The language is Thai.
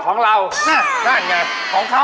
ของเราน่ะนั่นไง